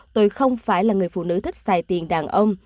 tôi không phải là người phụ nữ thích xài tiền đàn ông